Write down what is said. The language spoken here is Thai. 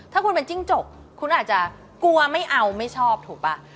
ถ้าคุณเป็นจิ้งจกคุณอาจจะกลัวไม่เอาไม่ชอบถูกป่ะ